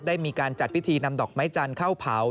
ได้มีการจัดพิธีนำดอกไม้จันทร์เข้าเผา